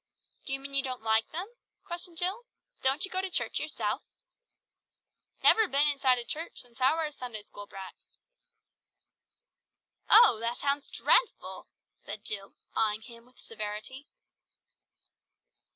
"Do you mean you don't like them?" questioned Jill. "Don't you go to church yourself?" "Never been inside a church since I were a Sunday school brat." "Oh! that sounds dreadful!" said Jill, eyeing him with severity.